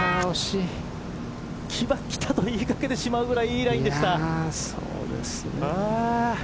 決まったと言いかけてしまうぐらいのラインでした。